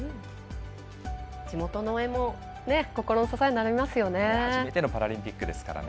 地元の応援も心の支えになりますよね。